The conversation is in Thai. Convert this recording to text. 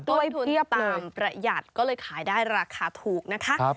เทียบตามประหยัดก็เลยขายได้ราคาถูกนะคะ